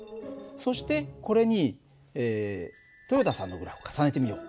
そしてこれに豊田さんのグラフを重ねてみよう。